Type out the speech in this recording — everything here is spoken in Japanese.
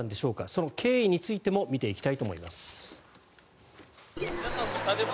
その経緯についても見ていきたいと思います。